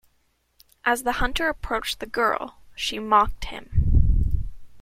As the hunter approached the girl, she mocked him.